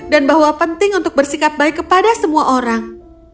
dan bahwa penting untuk bersikap baik kepada semua orang